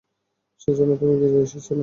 সেজন্যই তুমি গিজায় এসেছিলে।